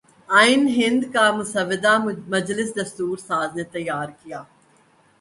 آئین ہند کا مسودہ مجلس دستور ساز نے تیار کیا